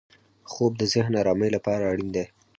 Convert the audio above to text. خوب د ذهن ارامۍ لپاره اړین دی